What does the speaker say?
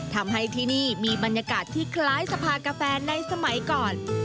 ทำให้ที่นี่มีบรรยากาศที่คล้ายสภากาแฟในสมัยก่อน